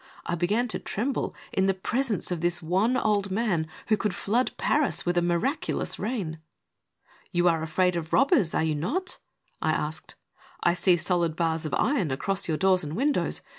I began to tremble in the presence of this wan old man who could flood Paris with a miraculous rain. "You are afraid of robbers, are you not?" I asked. " I see solid bars of iron across your doors and windows.